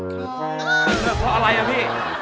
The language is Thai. เลิกเพราะอะไรล่ะพี่